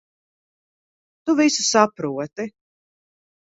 Tu visu saproti.